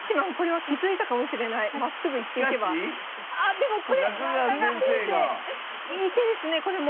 でもこれ中川先生いい手ですねこれも。